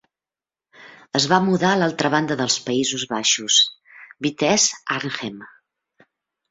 Es va mudar a l'altra banda dels Països Baixos, Vitesse Arnhem.